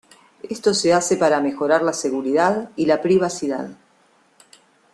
Esto se hace para mejorar la seguridad y la privacidad.